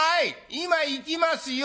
今行きますよ。